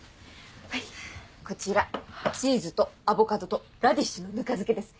はいこちらチーズとアボカドとラディッシュのぬか漬けです。